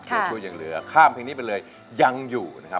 ตัวช่วยยังเหลือข้ามเพลงนี้ไปเลยยังอยู่นะครับ